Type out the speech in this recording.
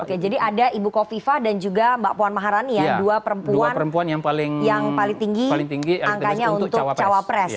oke jadi ada ibu kofifa dan juga mbak puan maharani ya dua perempuan yang paling tinggi angkanya untuk cawapres